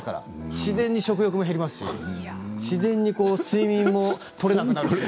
自然に食欲が減りますし自然に睡眠も取れなくなるし。